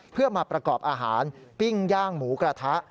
เพื่อมาประกอบอาหารปิ้งย่างหมูกระทะ